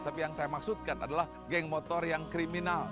tapi yang saya maksudkan adalah geng motor yang kriminal